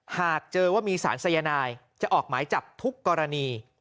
หากเจอว่ามีสารสายนายจะออกหมายจับทุกกรณี